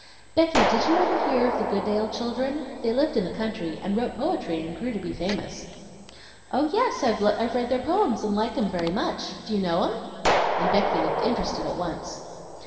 "Becky, did you ever hear of the Goodale children? They lived in the country and wrote poetry and grew to be famous." "Oh yes, I've read their poems and like 'em very much. Do you know 'em?" and Becky looked interested at once.